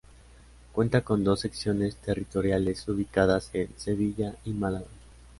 Cuenta con dos secciones territoriales ubicadas en Sevilla y Málaga.